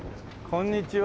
こんにちは。